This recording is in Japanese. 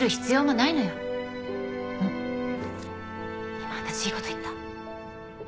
今私いい事言った？